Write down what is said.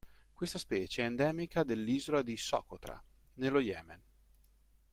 Questa specie è endemica dell'isola di Socotra, nello Yemen.